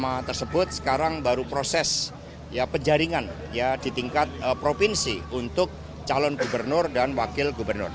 mas anies sebut sekarang baru proses ya penjaringan ya di tingkat provinsi untuk calon gubernur dan wakil gubernur